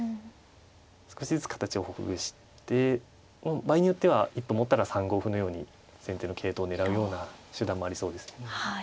少しずつ形をほぐして場合によっては一歩持ったら３五歩のように先手の桂頭を狙うような手段もありそうです。